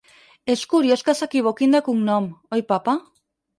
És curiós que s'equivoquin de cognom, oi papa?